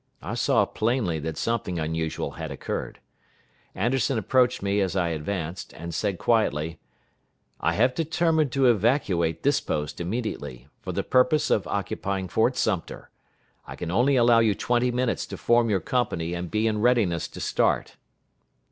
I saw plainly that something unusual had occurred. Anderson approached me as I advanced, and said quietly, "I have determined to evacuate this post immediately, for the purpose of occupying Fort Sumter; I can only allow you twenty minutes to form your company and be in readiness to start."